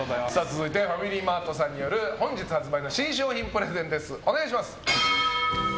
ファミリーマートさんによる本日発売の新商品プレゼン、お願いします。